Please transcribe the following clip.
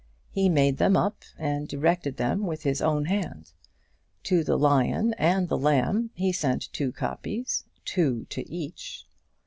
He made them up and directed them with his own hand. To the lion and the lamb he sent two copies, two to each.